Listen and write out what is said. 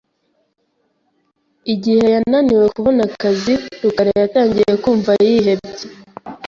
Igihe yananiwe kubona akazi, rukara yatangiye kumva yihebye .